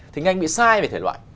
thì ngay bị sai về thể loại